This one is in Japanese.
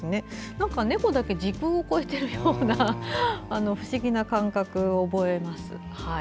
なんか猫だけ時空を越えているような不思議な感覚を覚えます。